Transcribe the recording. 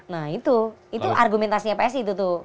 nah itu argumentasinya psi itu tuh